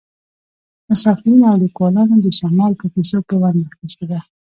مسافرینو او لیکوالانو د شمال په کیسو کې ونډه اخیستې ده